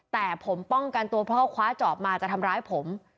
แต่ผมป้องกันตัวเพราะเขาคว้าจอบมาจะทำร้ายผม